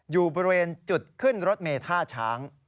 อยู่บริเวณจุดขึ้นรถเมท่าช้าง